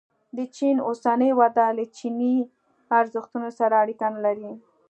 د چین اوسنۍ وده له چیني ارزښتونو سره اړیکه نه لري.